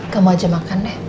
kamu aja makan deh